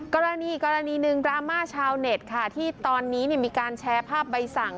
กรณีอีกกรณีหนึ่งดราม่าชาวเน็ตค่ะที่ตอนนี้มีการแชร์ภาพใบสั่ง